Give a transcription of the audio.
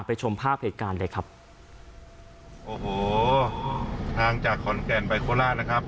ชมภาพเหตุการณ์เลยครับโอ้โหทางจากขอนแก่นไปโคราชนะครับ